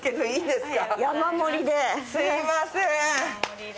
すみません。